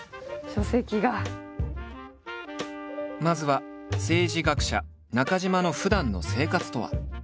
まずは政治学者中島のふだんの生活とは？